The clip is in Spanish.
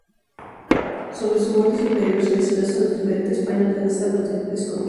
Sobre su borde superior se desplazan los diferentes paños de las tapas de escotilla.